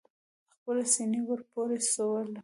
خپلې سینې ور پورې سولوي.